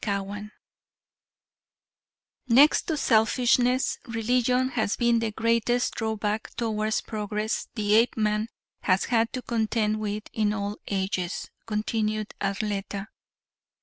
CHAPTER XI "Next to selfishness, religion has been the greatest drawback towards progress the Apeman has had to contend with in all ages," continued Arletta.